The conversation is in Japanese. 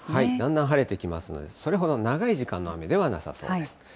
だんだん晴れてきますので、それほど長い時間の雨ではなさそうです。